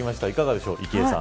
いかがでしょうか。